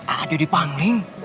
aku ada di panling